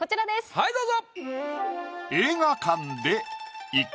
はいどうぞ！